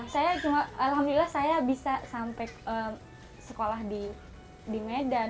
saya cuma alhamdulillah saya bisa sampai sekolah di medan